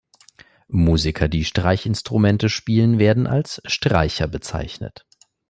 Musiker, die Streichinstrumente spielen, werden als "Streicher" bezeichnet.